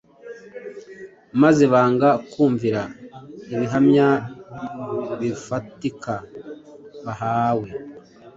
maze banga kumvira ibihamya bifatika bahawe.